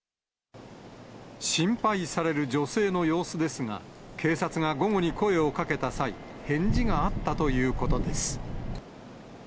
心配される女性の様子ですが、警察が午後に声をかけた際、返事があったということです。